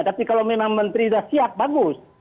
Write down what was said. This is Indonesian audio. tapi kalau memang menteri sudah siap bagus